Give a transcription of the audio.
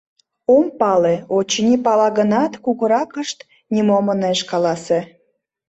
— Ом пале... — очыни, пала гынат, кугуракышт нимом ынеж каласе.